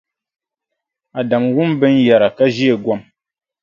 Adamu wum bɛ ni yɛra ka ʒeei gom.